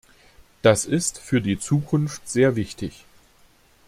Das ist für die Zukunft sehr wichtig.